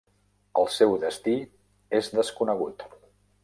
El seu destí és desconegut.